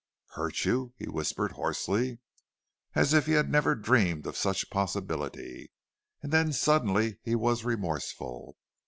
"Hurt you!" he whispered, hoarsely, as if he had never dreamed of such possibility. And then suddenly he was remorseful.